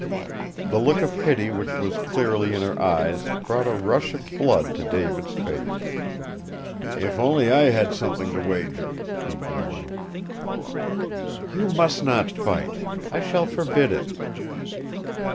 The look of pity which was clearly in her eyes brought a rush of blood to David's face. "If only I had something to wager!" he groaned. "You must not fight. I shall forbid it!"